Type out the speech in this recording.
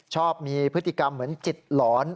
ชอบมีพฤติกรรมเหมือนจิตหลอน